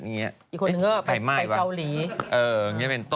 อีกคนนึงก็ไปเกาหลี